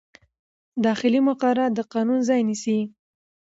داخلي مقررات د قانون ځای نه نیسي.